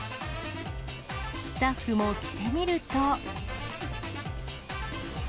スタッフも着てみると。